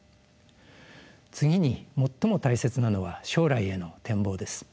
次に最も大切なのは将来への展望です。